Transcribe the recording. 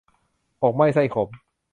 อกไหม้ไส้ขม